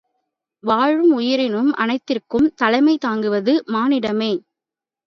வாழும் உயிரினம் அனைத்திற்கும் தலைமை தாங்குவது மானிடமே!